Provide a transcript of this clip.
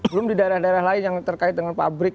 belum di daerah daerah lain yang terkait dengan pabrik